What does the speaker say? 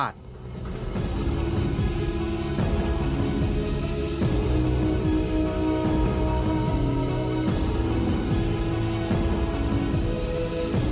พระอัชริยภาพที่๙